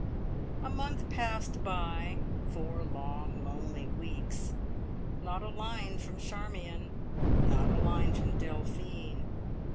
A month passed by four long, lonely weeks. Not a line from Charmion. Not a line from Delphine.